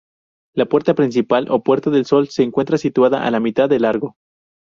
La puerta principal o puerta del sol se encuentra situada a mitad del largo.